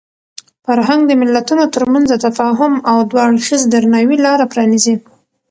فرهنګ د ملتونو ترمنځ د تفاهم او دوه اړخیز درناوي لاره پرانیزي.